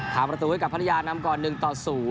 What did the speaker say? ทำประตูให้กับพัทยานำก่อน๑ต่อ๐